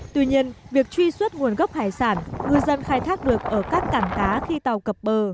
tuy nhiên việc truy xuất nguồn gốc hải sản ngư dân khai thác được ở các cảng cá khi tàu cập bờ